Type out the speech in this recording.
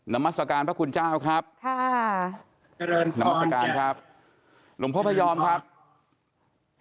นามัสกาลพระคุณเจ้าครับนามัสกาลครับหลวงพ่อพยอมครับจริงค่ะ